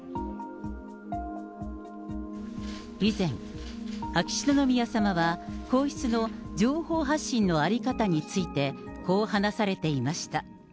以前、秋篠宮さまは皇室の情報発信の在り方について、こう話されていました。